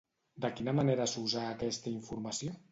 De quina manera s'usà aquesta informació?